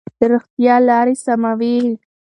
رښتیا لارې سموي.